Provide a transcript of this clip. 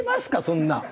そんな。